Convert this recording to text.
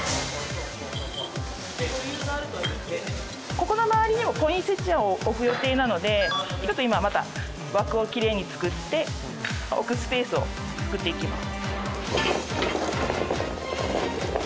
ここの周りにもポインセチアを置く予定なのでちょっと今また枠をきれいに作って置くスペースを作っていきます。